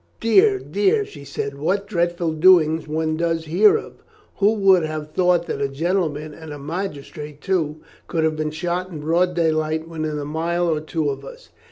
"Dear, dear!" she said, "what dreadful doings one does hear of. Who would have thought that a gentleman, and a magistrate too, could have been shot in broad daylight within a mile or two of us.